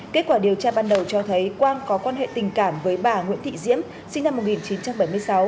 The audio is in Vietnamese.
kết quả điều tra ban đầu cho thấy quang có quan hệ tình cảm với bà nguyễn thị diễm sinh năm một nghìn chín trăm bảy mươi sáu